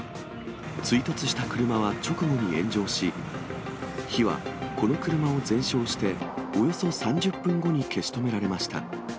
追突した車は直後に炎上し、火はこの車を全焼して、およそ３０分後に消し止められました。